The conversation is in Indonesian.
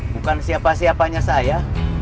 bukan siapa siapanya saya